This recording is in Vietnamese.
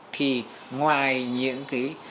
thì ngoài những